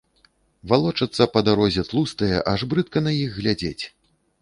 Валочацца па дарозе тлустыя, аж брыдка на іх глядзець.